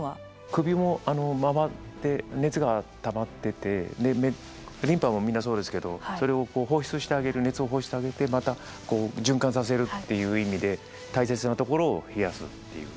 首も回って熱がたまっててリンパもみんなそうですけどそれを放出してあげる熱を放出してあげてまたこう循環させるっていう意味で大切なところを冷やすっていう。